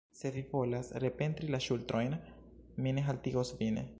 Se vi volas repentri la ŝutrojn, mi ne haltigos vin.